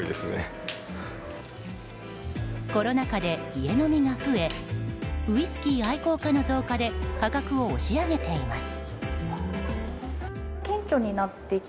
コロナ禍で家飲みが増えウイスキー愛好家の増加で価格を押し上げています。